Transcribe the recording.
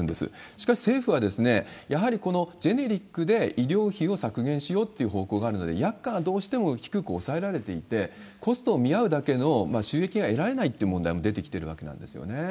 しかし政府は、やはりこのジェネリックで医療費を削減しようという方向があるので、約款はどうしても低く抑えられていて、コストを見合うだけの収益が得られないっていう問題も出てきてるわけなんですよね。